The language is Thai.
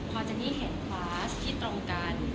พอเจนนี่เห็นคลาสที่ตรงกัน